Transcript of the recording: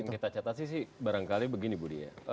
yang kita catat sih barangkali begini budi ya